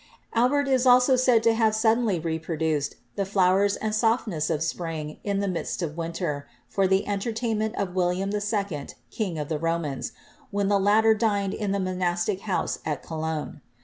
Albert is also said to have suddenly reproduced the flowers and softness of spring in the midst of winter for the entertainment of William II., King of the Romans, when the latter dined in the monastic house at Cologne.